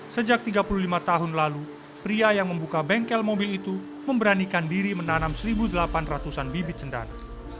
sejak tiga puluh lima tahun lalu pria yang membuka bengkel mobil itu memberanikan diri menanam satu delapan ratus an bibit cendana